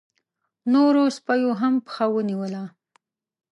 نورو سپيو هم پښه ونيوله.